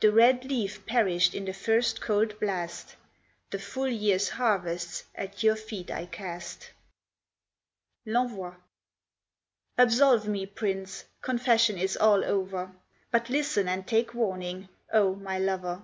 The red leaf perished in the first cold blast The full year's harvests at your feet I cast. L'ENVOI Absolve me, prince; confession is all over. But listen and take warning, oh! my lover.